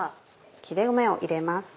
切れ目を入れます。